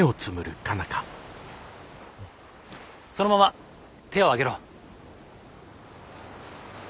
そのまま手を上げろ。